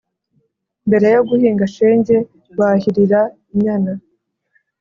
mbere yo guhinga Shenge bahirira inyana